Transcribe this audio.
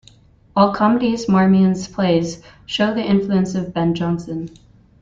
All comedies, Marmion's plays show the influence of Ben Jonson.